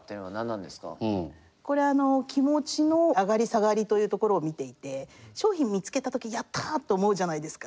こういうというところを見ていて商品見つけた時「やった！」と思うじゃないですか。